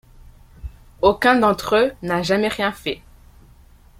Aucun d'entre eux n'a jamais rien fait.